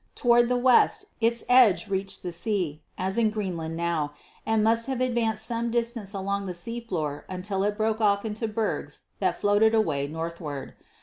Toward the west its edge reached the sea, as in Greenland now, and must have advanced some distance along the sea floor until it broke off into bergs that floated away northward.